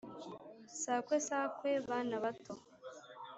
sakwe sakwe bana bato